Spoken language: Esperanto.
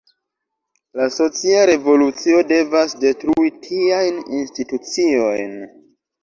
La socia revolucio devas detrui tiajn instituciojn.